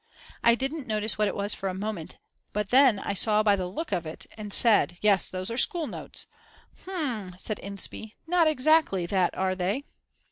I didn't notice what it was for a moment, but then I saw by the look of it and said: Yes, those are school notes. Hm m m, said Inspee, not exactly that are they?